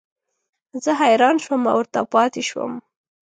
زه حیران شوم او ورته پاتې شوم.